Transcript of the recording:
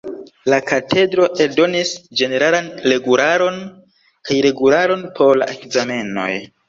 La Katedro eldonis ĝeneralan regularon kaj regularon por la ekzamenoj.